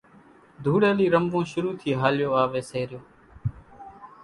ڌوڙيلي رموون شروع ٿي ھاليو آوي سي ريو